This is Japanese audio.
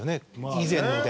以前ので。